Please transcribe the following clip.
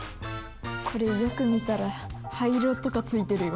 これよく見たら灰色とかついてるよ。